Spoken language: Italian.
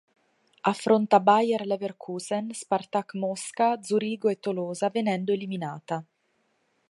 Affronta Bayer Leverkusen, Spartak Mosca, Zurigo e Tolosa venendo eliminata.